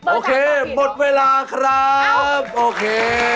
โอเคหมดเวลาครับโอเค